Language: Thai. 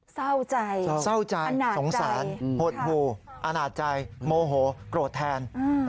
เศร้าใจเศร้าใจสงสารหดหูอาณาจใจโมโหโกรธแทน